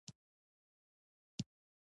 هیله کوم د بخښنې وړ نه ده.